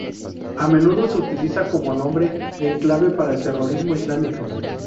A menudo se utiliza como nombre en clave para el terrorismo islámico.